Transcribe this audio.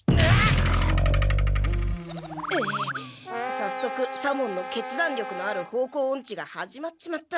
さっそく左門の決断力のある方向オンチが始まっちまった。